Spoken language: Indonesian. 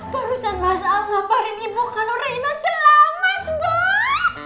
barusan mas al ngaparin ibu kalau reina selamat